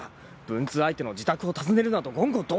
文通相手の自宅を訪ねるなど言語道断。